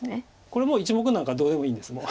これ１目なんかどうでもいいんですもう。